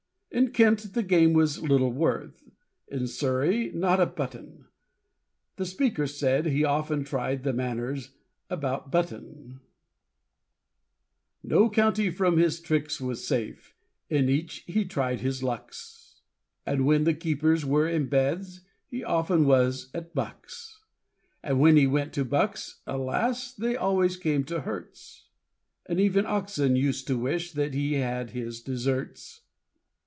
In Kent the game was little worth, In Surrey not a button; The Speaker said he often tried The Manors about Button. No county from his tricks was safe; In each he tried his lucks, And when the keepers were in Beds, He often was at Bucks. And when he went to Bucks, alas! They always came to Herts; And even Oxon used to wish That he had his deserts.